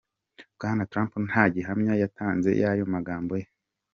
Bwana Trump nta gihamya yatanze y'ayo magambo ye.